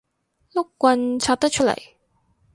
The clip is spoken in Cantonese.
碌棍拆得出嚟